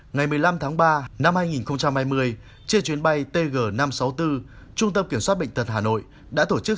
ngày một mươi năm tháng ba năm hai nghìn hai mươi trên chuyến bay tg năm trăm sáu mươi bốn trung tâm kiểm soát bệnh tật hà nội đã tổ chức